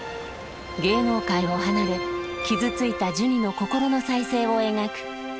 芸能界を離れ傷ついたジュニの心の再生を描く「群青領域」。